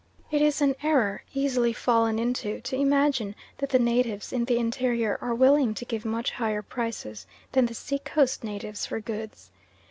It is an error, easily fallen into, to imagine that the natives in the interior are willing to give much higher prices than the sea coast natives for goods.